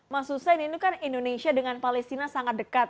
mas hussein ini kan indonesia dengan palestina sangat dekat